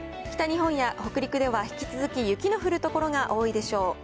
北日本や北陸では引き続き雪の降る所が多いでしょう。